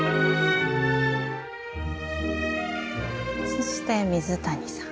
そして水谷さん。